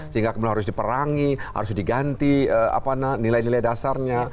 sehingga kemudian harus diperangi harus diganti nilai nilai dasarnya